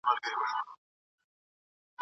کمپيوټر لارښود ورکوي.